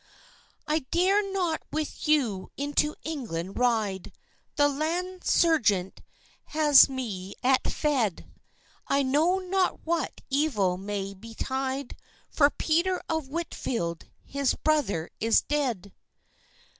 "I dare not with you into England ride; The Land sergeant has me at feid: I know not what evil may betide, For Peter of Whitfield, his brother, is dead.